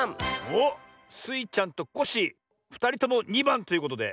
おっ。スイちゃんとコッシーふたりとも２ばんということで。